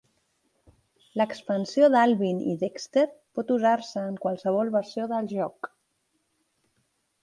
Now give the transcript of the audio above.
L'expansió d'Alvin i Dexter pot usar-se en qualsevol versió del joc.